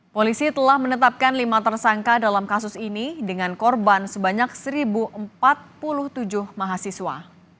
polisi telah menetapkan lima tersangka dalam kasus ini dengan korban sebanyak satu empat puluh tujuh mahasiswa